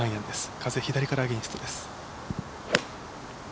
風は左からアゲンストです。